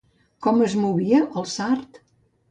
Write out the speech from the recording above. Com es movia, el sard?